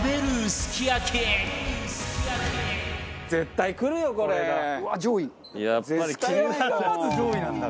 すき焼きがまず上位なんだから。